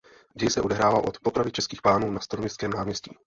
Děj se odehrává od popravy českých pánů na Staroměstském náměstí.